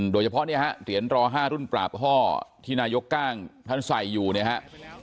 โดยเฉพาะเนี่ยฮะเหรียญรอ๕รุ่นปราบห้อที่นายกกล้างท่านใส่อยู่เนี่ยฮะ